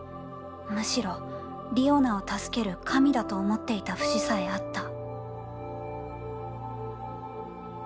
むしろ、リオナを助ける「神」だと思っていた節さえあった」。